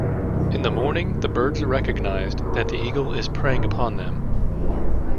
In the morning the birds recognized that the eagle is preying upon them.